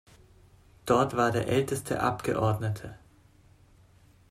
Dort war er der älteste Abgeordnete.